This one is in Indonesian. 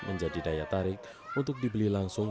menjadi daya tarik untuk dibeli langsung